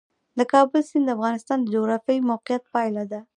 د کابل سیند د افغانستان د جغرافیایي موقیعت پایله ده.